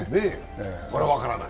これは分からない。